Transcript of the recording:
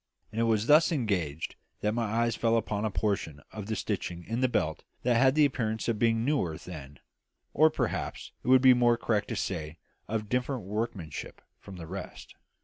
And it was while thus engaged that my eye fell upon a portion of the stitching in the belt that had the appearance of being newer than or perhaps it would be more correct to say of different workmanship from the rest.